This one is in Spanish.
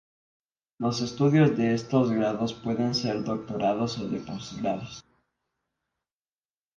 Los estudios de este grado pueden ser doctorados o de postgrado.